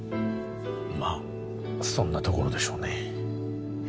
まあそんなところでしょうね